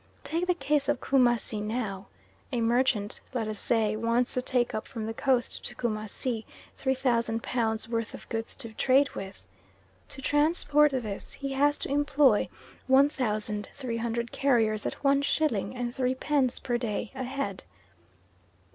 Take the case of Coomassie now. A merchant, let us say, wants to take up from the Coast to Coomassie 3,000 pounds worth of goods to trade with. To transport this he has to employ 1,300 carriers at one shilling and three pence per day a head.